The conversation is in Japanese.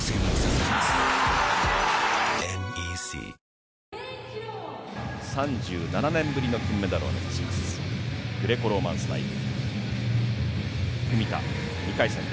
８点差が３７年ぶりの金メダルを目指します、グレコローマンスタイル。